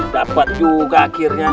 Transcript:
dapat juga akhirnya